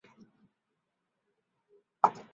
细川持之。